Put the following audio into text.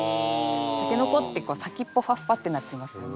タケノコって先っぽファッファッてなってますよね。